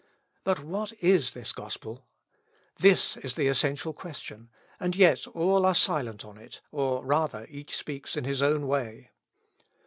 But what is this Gospel? This is the essential question; and yet all are silent on it, or, rather, each speaks in his own way.